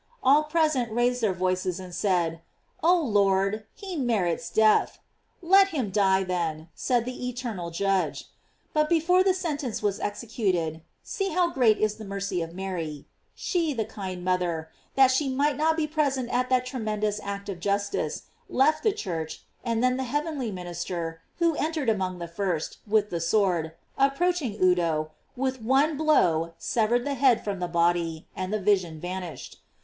All present raised their voices and said: "Oh Lord, he merits death." "Let him die, then," said the eternal Judge. But before the sentence was executed (see how great is the mercy of Mary) she, the kind mother, that she might not be pres ent at that tremendous act of justice, left the church; and then the heavenly minister, who en tered among the first, with the sword, approach ing Udo, with one blow severed the head from the body, and the vision vanished.